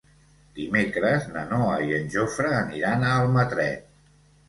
Dimecres na Noa i en Jofre aniran a Almatret.